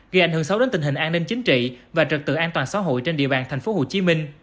gây ảnh hưởng xấu đến tình hình an ninh chính trị và trật tự an toàn xã hội trên địa bàn tp hcm